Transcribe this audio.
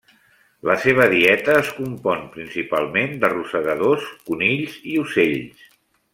La seva dieta es compon principalment de rosegadors, conills i ocells.